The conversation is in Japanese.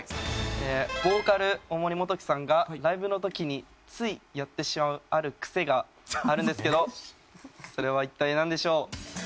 えボーカル大森元貴さんがライブの時についやってしまうあるクセがあるんですけどそれは一体なんでしょう？